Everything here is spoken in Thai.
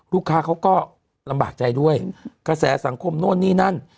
ลูกค้าเขาก็ลำบากใจด้วยกระแสสังคมโน่นนี่นั่น